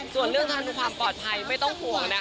ส่วนเรื่องทางความปลอดภัยไม่ต้องห่วงนะคะ